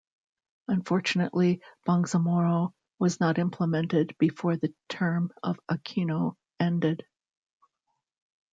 Unfortunately, Bangsamoro was not implemented before the term of Aquino ended.